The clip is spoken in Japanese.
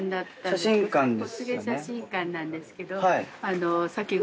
小菅写真館なんですけど。